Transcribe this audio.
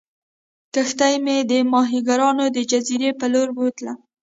کښتۍ مې د ماهیګیرانو د جزیرې په لورې بوتله.